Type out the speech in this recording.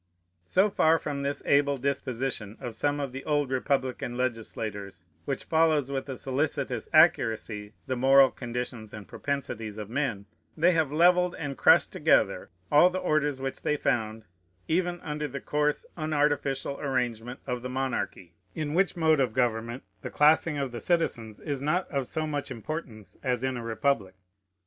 So far from this able disposition of some of the old republican legislators, which follows with a solicitous accuracy the moral conditions and propensities of men, they have levelled and crushed together all the orders which they found, even under the coarse, unartificial arrangement of the monarchy, in which mode of government the classing of the citizens is not of so much importance as in a republic.